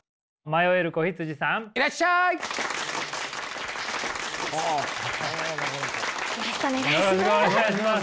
よろしくお願いします。